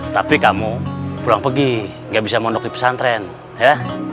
tapi kamu purang pergi nggak bisa mondok dipesan tren ya nanti kalau kamu mau masuk ke rumah